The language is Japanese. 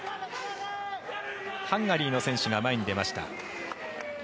ハンガリーの選手が前に出ました。